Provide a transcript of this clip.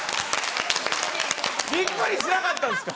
びっくりしなかったんですか？